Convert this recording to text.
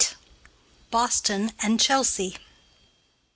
BOSTON AND CHELSEA.